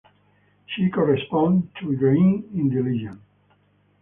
She corresponds to Igraine in the legend.